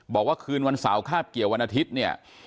บอกว่าคืนวันเสาร์คาบเกี่ยววันอาทิตย์เนี่ย